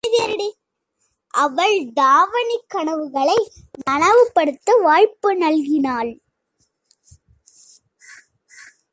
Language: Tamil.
அவள் தாவணிக் கனவுகளை நனவு படுத்த வாய்ப்பு நல்கினான்.